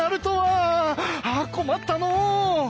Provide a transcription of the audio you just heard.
ああ困ったのう！